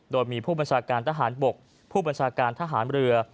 โดยมีผู้บัญชาการทหารบกผู้บัญชาการทหารเรือ